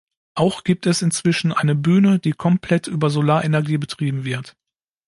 Auch gibt es inzwischen eine Bühne, die komplett über Solarenergie betrieben wird.